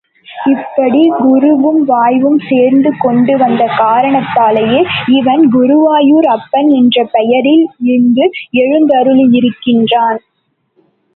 இப்படி குருவும் வாயுவும் சேர்ந்து கொண்டுவந்த காரணத்தாலேயே இவன் குருவாயூர் அப்பன் என்ற பெயரில் இங்கு எழுந்தருளியிருக்கிறான்.